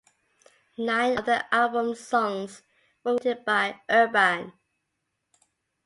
Nine of the album's songs were written by Urban.